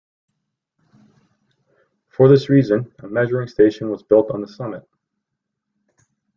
For this reason a measuring station was built on the summit.